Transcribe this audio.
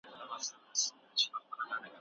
حکومت د خلګو په خدمت کي و.